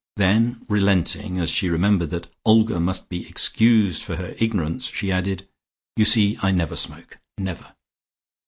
Then relenting, as she remembered that Olga must be excused for her ignorance, she added: "You see I never smoke. Never."